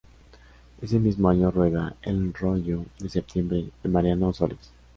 Ese mismo año rueda "El rollo de septiembre", de Mariano Ozores.